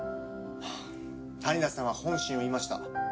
谷田さんは本心を言いました。